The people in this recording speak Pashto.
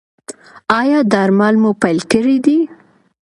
ایا درمل مو پیل کړي دي؟